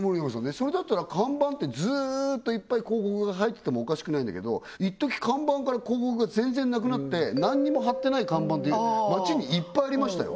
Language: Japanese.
それだったら看板ってずっといっぱい広告が入っててもおかしくないんだけどいっとき看板から広告が全然なくなって何も貼ってない看板って街にいっぱいありましたよ